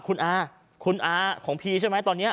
คุณอาคุณอาของพีใช่ไหมตอนนี้